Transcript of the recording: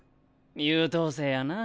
優等生やな。